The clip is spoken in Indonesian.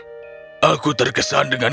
mereka menangkap diartanyan dan menangkap dia